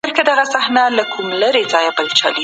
غړي د خپلو حقونو لپاره مبارزه کوي.